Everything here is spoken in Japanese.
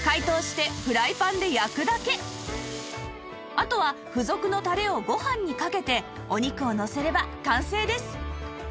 あとは付属のタレをご飯にかけてお肉をのせれば完成です